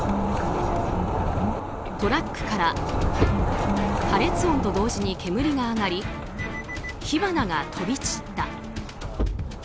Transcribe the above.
トラックから破裂音と同時に煙が上がり火花が飛び散った。